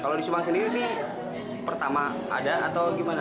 kalau di subang sendiri ini pertama ada atau gimana